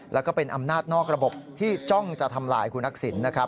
แล้วก็เป็นอำนาจนอกระบบที่จ้องจะทำลายคุณทักษิณนะครับ